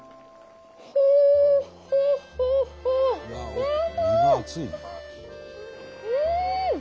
うん！